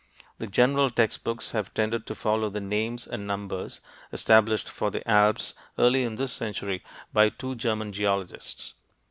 The general textbooks have tended to follow the names and numbers established for the Alps early in this century by two German geologists.